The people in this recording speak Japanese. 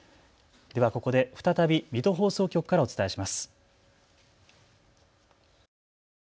ではここで再び水戸放送局からお伝えします。